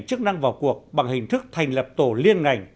tăng vào cuộc bằng hình thức thành lập tổ liên ngành